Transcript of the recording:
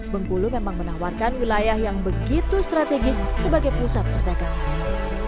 bengkulu memang menawarkan wilayah yang begitu strategis sebagai pusat perdagangan